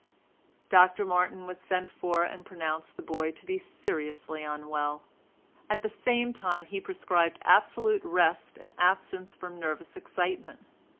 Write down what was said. Dr Martin was sent for and pronounced the boy to be seriously unwell; at the same time he prescribed absolute rest and absence from nervous excitement.